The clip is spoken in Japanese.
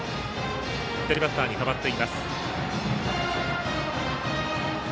左バッターに変わっています。